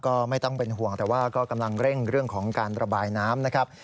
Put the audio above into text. ก็ไม่ต้องเป็นห่วงแต่ว่าก็กำลังเร่งเรื่องของการระบายน้ำนะครับ